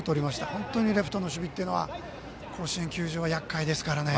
本当にレフトの守備というのは甲子園球場やっかいですからね。